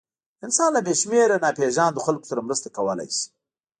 انسان له بېشمېره ناپېژاندو خلکو سره مرسته کولی شي.